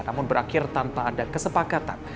namun berakhir tanpa ada kesepakatan